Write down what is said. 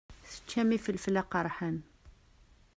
Teččam ifelfel aqeṛḥan.